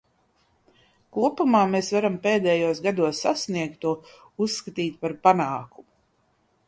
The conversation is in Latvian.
Kopumā mēs varam pēdējos gados sasniegto uzskatīt par panākumu.